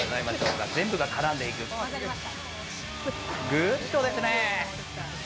グッドですね。